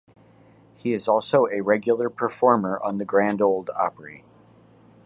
He is also a regular performer on the Grand Ole Opry.